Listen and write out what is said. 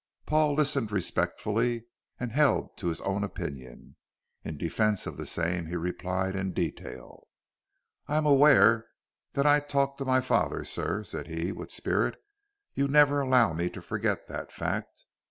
Paul listened respectfully and held to his own opinion. In defence of the same he replied in detail, "I am aware that I talk to my father, sir," said he, with spirit; "you never allow me to forget that fact.